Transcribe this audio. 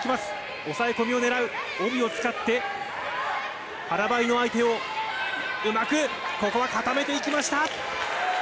押さえ込みを狙う、帯を使って、腹ばいの相手をうまく、ここは固めていきました。